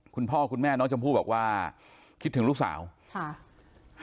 คุณพ่อคุณแม่น้องชมพู่บอกว่าคิดถึงลูกสาวค่ะ